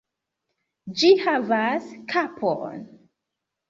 Ĝi havas kapon!